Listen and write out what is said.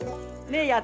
ねえ。